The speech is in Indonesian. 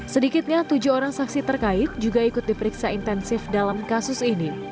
sedikitnya tujuh orang saksi terkait juga ikut diperiksa intensif dalam kasus ini